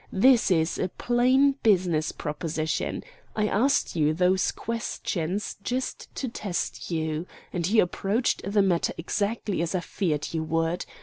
This is a plain business proposition. I asked you those questions just to test you. And you approached the matter exactly as I feared you would.